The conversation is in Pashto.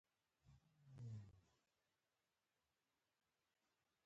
وچکالي څاروي وژني.